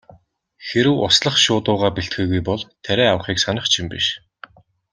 Хэрэв услах шуудуугаа бэлтгээгүй бол тариа авахыг санах ч юм биш.